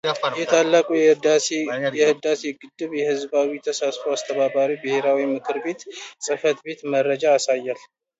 የታላቁ የኢትዮጵያ ሕዳሴ ግድብ ሕዝባዊ ተሳትፎ አስተባባሪ ብሔራዊ ምክር ቤት ጽሕፈት ቤት መረጃ ያሳያል።